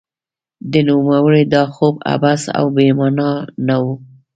د نوموړي دا خوب عبث او بې مانا نه و.